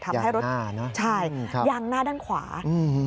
ยางหน้าเนอะใช่ยางหน้าด้านขวาอืม